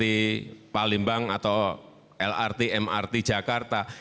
di palembang atau lrt mrt jakarta